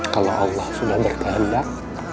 kalau allah sudah berkehendak